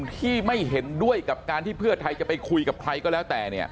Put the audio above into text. ที่ไม่เห็นด้วยกับการที่เพื่อไทยจะไปคุยกับใครก็แล้วแต่